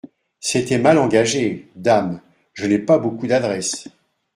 C'était mal engagé ; dame ! je n'ai pas beaucoup d'adresse.